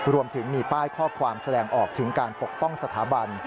รวมถึงมีป้ายข้อความแสดงออกถึงการปกป้องสถาบัน